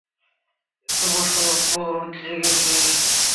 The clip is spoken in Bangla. এতো বছর পর জেগেছি।